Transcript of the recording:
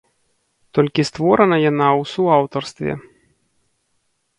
Толькі створана яна ў суаўтарстве.